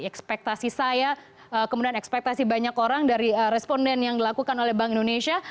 ekspektasi saya kemudian ekspektasi banyak orang dari responden yang dilakukan oleh bank indonesia